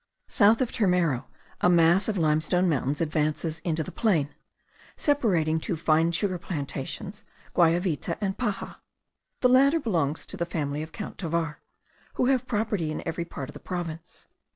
South of Turmero, a mass of limestone mountains advances into the plain, separating two fine sugar plantations, Guayavita and Paja. The latter belongs to the family of Count Tovar, who have property in every part of the province.